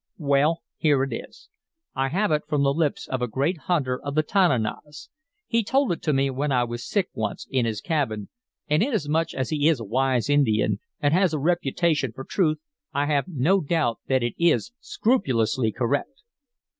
"Well, here it is. I have it from the lips of a great hunter of the Tananas. He told it to me when I was sick, once, in his cabin, and inasmuch as he is a wise Indian and has a reputation for truth, I have no doubt that it is scrupulously correct.